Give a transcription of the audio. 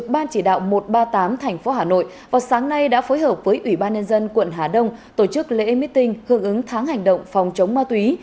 ban chỉ đạo một trăm ba mươi tám tp hà nội vào sáng nay đã phối hợp với ủy ban nhân dân quận hà đông tổ chức lễ meeting hưởng ứng tháng hành động phòng chống ma túy